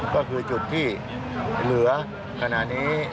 ก็คือจุดที่เหลือขณะนี้